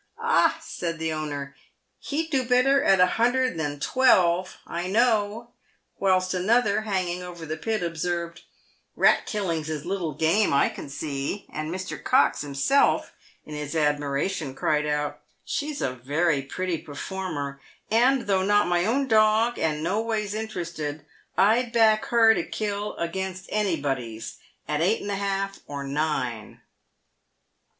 "Ah," said the owner, " he'd do better at a hundred than twelve, I know ;" whilst another, hanging over the pit, observed, " Eat killing's his little game, I can see ;" and Mr. Cox himself, in his ad miration, cried out, " She's a very pretty performer, and though not my own dog, and no ways interested, I'd back her to kill against any body's at eight and a half, or nine."